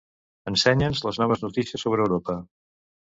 Ensenya'ns les noves notícies sobre Europa.